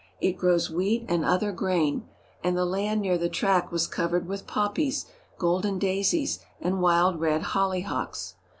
It grows wheat and other grain, and the land near the track was covered with poppies, golden daisies, and wild red hollyhocks.